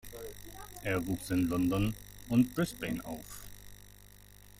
Er wuchs in London und Brisbane auf.